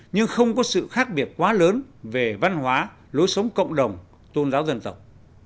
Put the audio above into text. nhưng không có sự khác biệt quá lớn về văn hóa lối sống cộng đồng tôn giáo dân tộc